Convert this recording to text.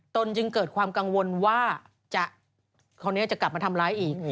ตนจึงเกิดความกังวลว่าคนนี้จะกลับมาทำร้ายอีก